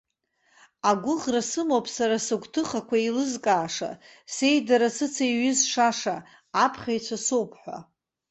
Агәыӷра сымоуп сара сыгәҭыхақәа еилызкааша, сеидара сыцеиҩызшаша аԥхьаҩцәа соуп ҳәа.